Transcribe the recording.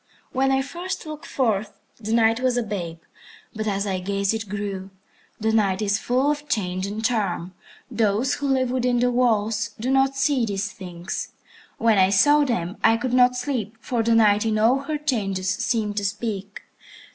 When I first looked forth, the Night was a babe, but as I gazed it grew. The Night is full of change and charm. Those who live within the walls do not see these things. When I saw them, I could not sleep, for the Night in all her changes seemed to speak.